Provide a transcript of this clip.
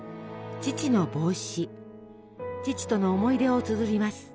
父との思い出をつづります。